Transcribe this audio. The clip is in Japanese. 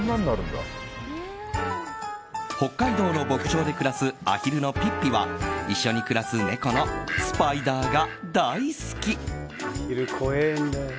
北海道の牧場で暮らすアヒルのピッピは一緒に暮らす猫のスパイダーが大好き。